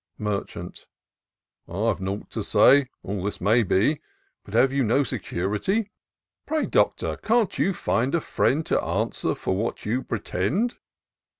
Merchant. " I've nought to say— all this may be — But have you no security ? Pray, Doctor, can't you find a friend To answer for what you pretend?"